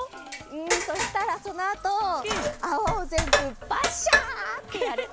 うんそうしたらそのあとあわをぜんぶバッシャってやる。